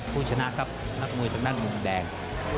คุณชนะครับนักมวยตรงนั้นมุมแดง